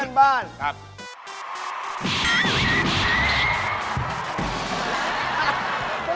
คงยังสะพาน